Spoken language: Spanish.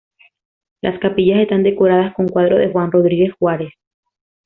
Las capillas están decoradas con cuadros de Juan Rodríguez Juárez.